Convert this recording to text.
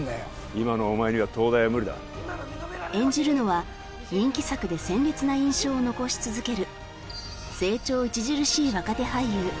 今のお前には東大は無理だ演じるのは人気作で鮮烈な印象を残し続ける